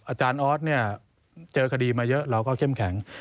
อาจารย์ออสเนี่ยเจอคดีมาเยอะเราก็เข้มแข็ง